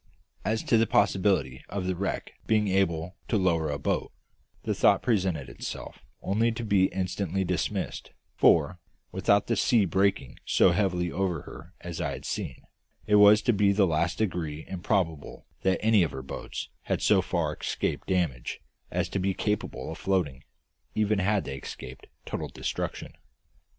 As to the possibility of the wreck being able to lower a boat, the thought presented itself only to be instantly dismissed; for, with the sea breaking so heavily over her as I had seen, it was to the last degree improbable that any of her boats had so far escaped damage as to be capable of floating, even had they escaped total destruction.